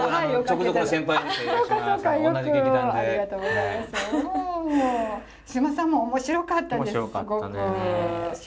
八嶋さんも面白かったです